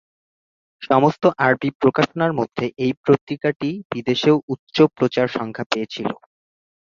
সমস্ত আরবি প্রকাশনার মধ্যে এই পত্রিকাটি বিদেশেও উচ্চ প্রচার সংখ্যা পেয়েছিল।